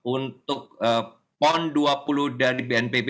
untuk pon dua puluh dari bnpb